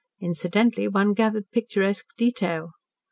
Incidentally one gathered picturesque detail.